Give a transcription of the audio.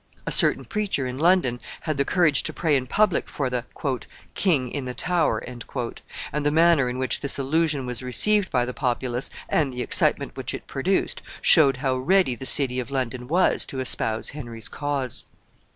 A certain preacher in London had the courage to pray in public for the "king in the Tower," and the manner in which this allusion was received by the populace, and the excitement which it produced, showed how ready the city of London was to espouse Henry's cause.